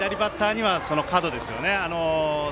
左バッターにはその角ですよね。